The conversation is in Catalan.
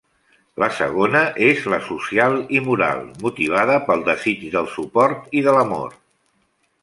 La segona és la social i moral, motivada pel desig del suport i de l'amor.